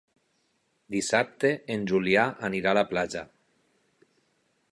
Dissabte en Julià anirà a la platja.